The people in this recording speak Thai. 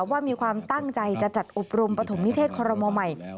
ว่ามีความตั้งใจจะจัดอบรมปฐมนิเทศคอรมอลใหม่